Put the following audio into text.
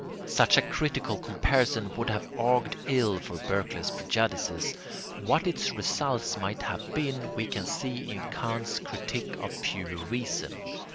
Such a critical comparison would have augured ill for Berkeley's prejudices; what its result might have been we can see in Kant's Critique of Pure Reason.